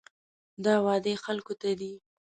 دا وعدې خلکو ته دي.